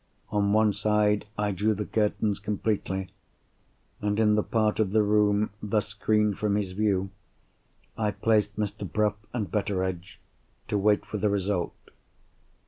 On one side, I drew the curtains completely—and in the part of the room thus screened from his view, I placed Mr. Bruff and Betteredge, to wait for the result.